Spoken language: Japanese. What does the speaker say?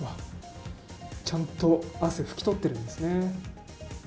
ちゃんと汗、ふき取っているんですね。